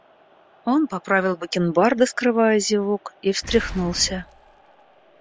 Он поправил бакенбарды, скрывая зевок, и встряхнулся.